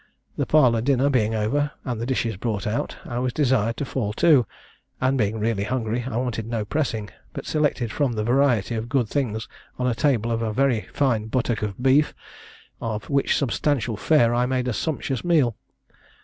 The parlour dinner being over, and the dishes brought out, I was desired to fall to; and, being really hungry, I wanted no pressing, but selected from the variety of good things on the table a very fine buttock of beef, on which substantial fare I made a sumptuous meal.